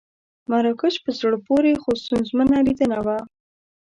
مراکش په زړه پورې خو ستونزمنه لیدنه وه.